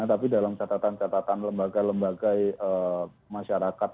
tapi dalam catatan catatan lembaga lembaga masyarakat